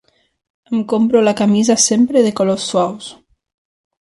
Em compro la camisa sempre de colors suaus.